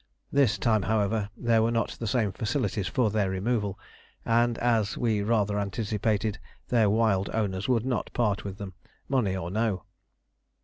This time, however, there were not the same facilities for their removal, and, as we rather anticipated, their wild owners would not part with them, money or no.